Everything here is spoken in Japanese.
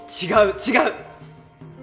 違う違う！